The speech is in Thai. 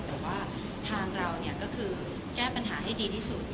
แต่ว่าทางเราก็คือแก้ปัญหาให้ดีที่สุด